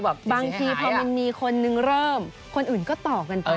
บางทีพอมันมีคนนึงเริ่มคนอื่นก็ต่อกันไป